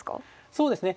そうですね